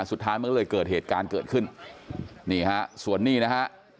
สุดท้ายมันก็เลยเกิดเหตุการณ์เกิดขึ้นนี่ฮะส่วนนี้นะฮะ